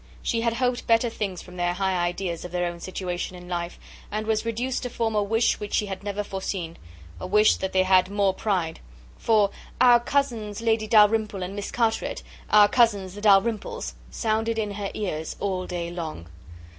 She had hoped better things from their high ideas of their own situation in life, and was reduced to form a wish which she had never foreseen; a wish that they had more pride; for "our cousins Lady Dalrymple and Miss Carteret;" "our cousins, the Dalrymples," sounded in her ears all day long.